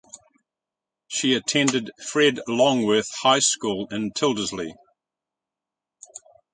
She attended Fred Longworth High School in Tyldesley.